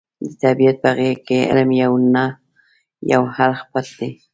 د طبیعت په غېږه کې علم یو نه یو اړخ پټ دی.